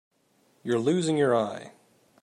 You're losing your eye.